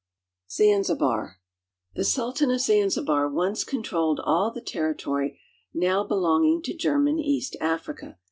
ZANZIBAR THE Sultan of Zanzibar (zan zi bar') once controlled all the territory now belonging to German East Africa.